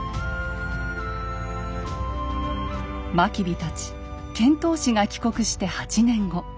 真備たち遣唐使が帰国して８年後。